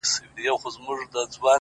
ته مي يو ځلي گلي ياد ته راوړه!!